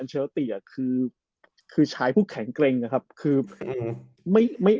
อันเชียลติอ่ะคือคือใช้ผู้แข็งเกร็งอะครับคือไม่